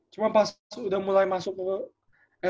cuma pas udah mulai masuk ke